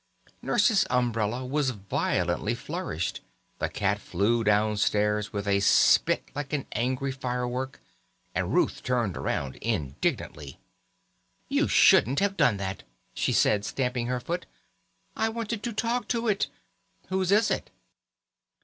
Nurse's umbrella was violently flourished, the cat flew downstairs with a spit like an angry firework, and Ruth turned round indignantly. "You shouldn't have done that," she said, stamping her foot; "I wanted to talk to it. Whose is it?"